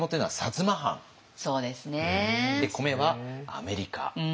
で「米」はアメリカ。